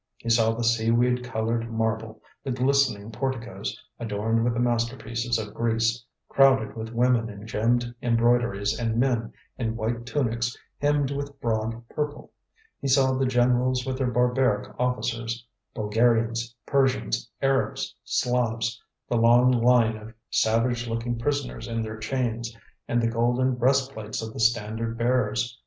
He saw the seaweed coloured marble; the glistening porticoes, adorned with the masterpieces of Greece, crowded with women in gemmed embroideries and men in white tunics hemmed with broad purple; he saw the Generals with their barbaric officers Bulgarians, Persians, Arabs, Slavs the long line of savage looking prisoners in their chains, and the golden breastplates of the standard bearers.